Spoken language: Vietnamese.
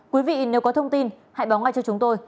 quý vị nếu có thông tin hãy báo ngay cho chúng tôi